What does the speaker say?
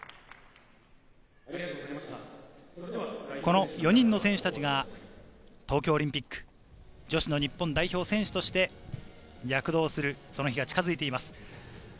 この４人の選手たちが東京オリンピック、女子の日本代表選手として躍動するその日が近づいています。